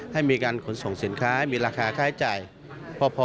ให้มีการขนส่งสินค้ามีราคาค่าใช้จ่ายพอ